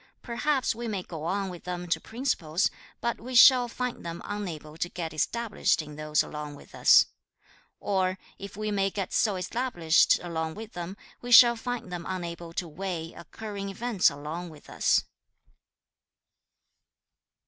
Perhaps we may go on with them to principles, but we shall find them unable to get established in those along with us. Or if we may get so established along with them, we shall find them unable to weigh occurring events along with us.'